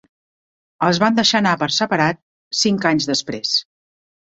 Els van deixar anar per separat cinc anys després.